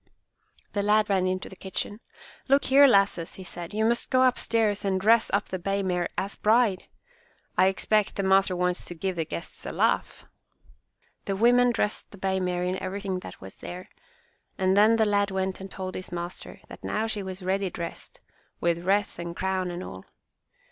The lad ran into the kitchen. "Look here, lasses," he said, "you must go upstairs and dress up the bay mare as bride. I expect the master wants to give the guests a laugh!" The women dressed the bay mare in everything that was there, and then the lad went and told his master that now she was ready dressed, with wreath and crown and all.